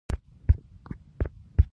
عطرونه د خوشحالۍ احساس ورکوي.